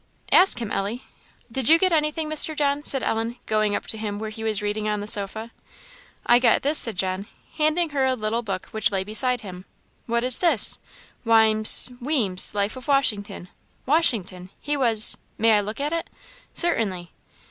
"Ask him, Ellie." "Did you get anything, Mr. John?" said Ellen, going up to him where he was reading on the sofa. "I got this," said John, handing her a little book which lay beside him. "What is this! Wime's Wiem's Life of Washington Washington? he was may I look at it?" "Certainly!"